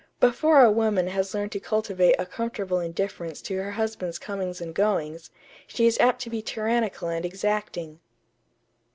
Before a woman has learned to cultivate a comfortable indifference to her husband's comings and goings, she is apt to be tyrannical and exacting."